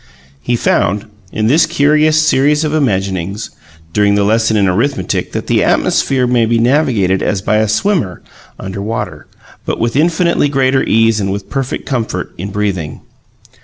He found, in this curious series of imaginings, during the lesson in arithmetic, that the atmosphere may be navigated as by a swimmer under water, but with infinitely greater ease and with perfect comfort in breathing.